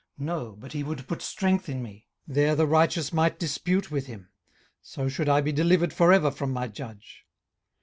No; but he would put strength in me. 18:023:007 There the righteous might dispute with him; so should I be delivered for ever from my judge.